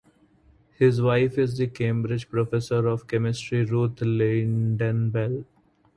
His wife is the Cambridge Professor of Chemistry Ruth Lynden-Bell.